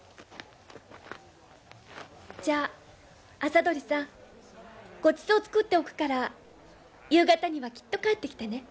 じゃあ麻鳥さんごちそうを作っておくから夕方にはきっと帰ってきてね！